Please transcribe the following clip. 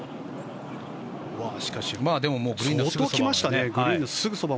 でも、グリーンのすぐそば。